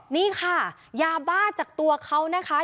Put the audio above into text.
นี่ค่ะยาบ้าจากตัวเขานะคะ